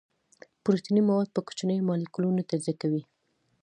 پروتیني مواد په کوچنیو مالیکولونو تجزیه کوي.